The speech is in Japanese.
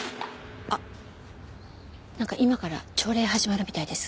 あっなんか今から朝礼始まるみたいです。